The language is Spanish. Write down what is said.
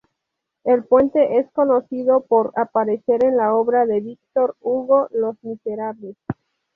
El puente es conocido por aparecer en la obra de Victor Hugo, los Miserables.